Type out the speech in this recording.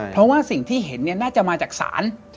เพราะว่าสิ่งที่เห็นน่าจะมาจากศาล